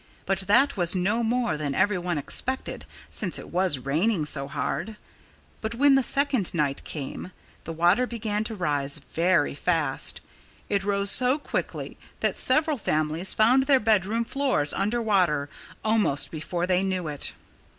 But that was no more than everyone expected, since it was raining so hard. But when the second night came, the water began to rise very fast. It rose so quickly that several families found their bedroom floors under water almost before they knew it.